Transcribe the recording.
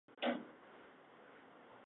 鄙陵人。